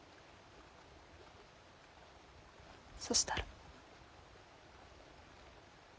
そしたら。